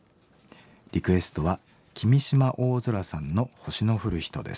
リクエストは君島大空さんの『星の降るひと』です。